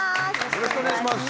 よろしくお願いします。